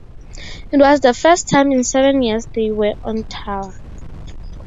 It was the first time in seven years they were on tour.